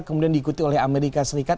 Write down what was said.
kemudian diikuti oleh amerika serikat